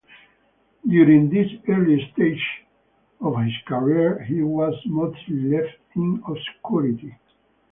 During these early stages of his career he was mostly left in obscurity.